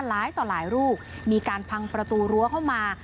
หลายต่อหลายลูกมีการพังประตูรั้วเข้ามา